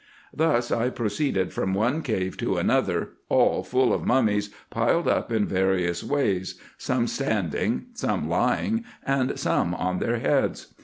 Thus I proceeded from one cave to an other, all full of mummies piled up in various ways, some standing, some lying, and some on their heads.